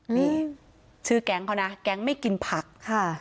นี่ชื่อแก๊งเขานะแก๊งไม่กินผักค่ะ